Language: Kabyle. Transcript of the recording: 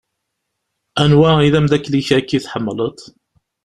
Anwa i d-amdakel-ik akk i tḥemmleḍ?